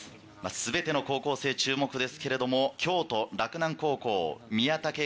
全ての高校生注目ですけれども京都洛南高校宮武岳。